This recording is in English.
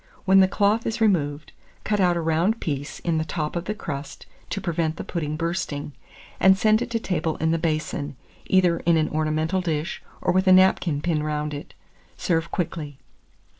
When the cloth is removed, cut out a round piece in the top of the crust, to prevent the pudding bursting, and send it to table in the basin, either in an ornamental dish, or with a napkin pinned round it. Serve quickly.